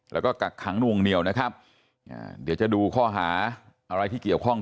แล้วก็กักขังนวงเหนียวนะครับอ่าเดี๋ยวจะดูข้อหาอะไรที่เกี่ยวข้อง